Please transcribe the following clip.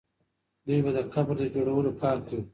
دوی به د قبر د جوړولو کار کوي.